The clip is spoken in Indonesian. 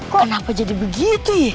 kenapa jadi begitu ye